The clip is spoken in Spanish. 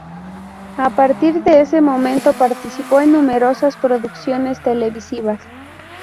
A partir de ese momento participó en numerosas producciones televisivas.